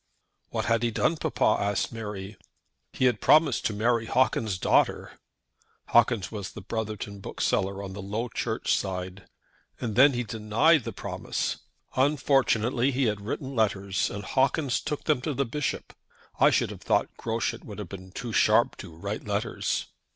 "What had he done, papa?" asked Mary. "He had promised to marry Hawkins' daughter." Hawkins was the Brotherton bookseller on the Low Church side. "And then he denied the promise. Unfortunately he had written letters, and Hawkins took them to the Bishop. I should have thought Groschut would have been too sharp to write letters."